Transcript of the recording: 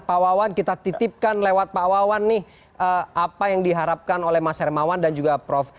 pak wawan kita titipkan lewat pak wawan nih apa yang diharapkan oleh mas hermawan dan juga prof